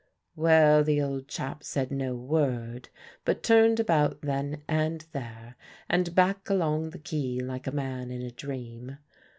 Well, the old chap said no word, but turned about then and there, and back along the quay like a man in a dream.